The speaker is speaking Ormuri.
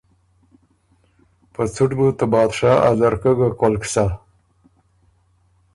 په څُټ بُو ته بادشاه ا ځرکۀ ګه کولک سۀ۔